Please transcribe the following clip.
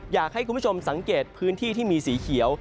อยากให้คุณผู้ชมสังเกตพื้นที่ที่มีสีเขียว